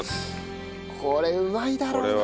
これうまいだろうね。